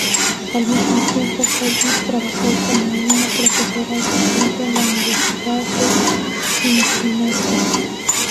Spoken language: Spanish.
Al mismo tiempo, Collins trabajó como una profesora asistente en la Universidad de Cincinnati.